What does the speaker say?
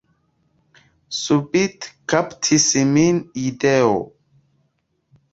Subite kaptis min ideo.